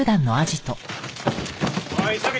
おい急げ！